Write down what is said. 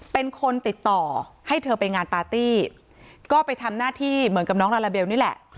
เป็นคนติดต่อให้เธอไปงานปาร์ตี้ก็ไปทำหน้าที่เหมือนกับน้องลาลาเบลนี่แหละ